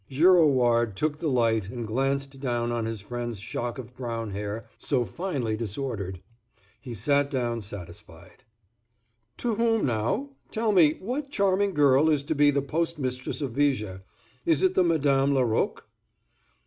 Girouard took the light and glanced down on his friend's shock of brown hair so finely disordered. He sat down satisfied. "To whom now—tell me what charming girl is to be the postmistress of Viger; is it the Madame Laroque?"